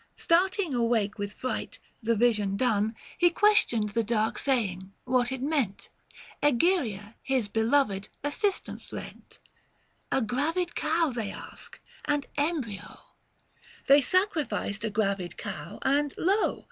Starting awake with fright : the vision done, He questioned the dark saying — what it meant. Egeria, his beloved, assistance lent ;" A gravid cow they ask, and embryo." 770 They sacrificed a gravid cow, and lo